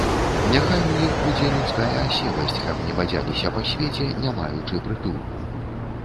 Няхай у іх будзе людская аселасць, каб не бадзяліся па свеце, не маючы прытулку.